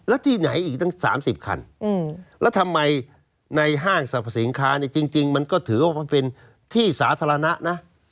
แล้วที่ไหนอีกตั้ง๓๐คันแล้วทำไมในห้างสรรพสินค้าเนี่ยจริงมันก็ถือว่ามันเป็นที่สาธารณะนะ